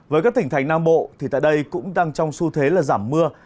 với các tỉnh thành nam bộ thì tại đây cũng đang trong xu thế là giảm mưa